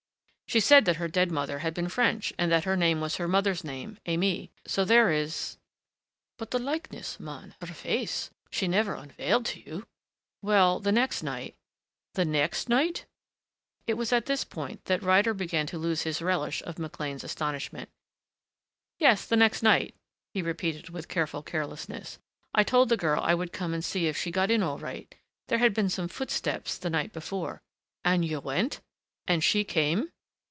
"She said that her dead mother had been French. And that her name was her mother's Aimée. So there is " "But the likeness, man her face? She never unveiled to you?" "Well, the next night " "The next night?" It was at this point that Ryder began to lose his relish of McLean's astonishment. "Yes, the next night," he repeated with careful carelessness.... "I told the girl I would come and see if she got in all right there had been some footsteps the night before " "And you went? And she came?"